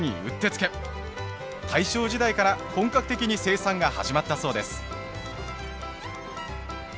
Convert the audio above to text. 大正時代から本格的に生産が始まったそうです。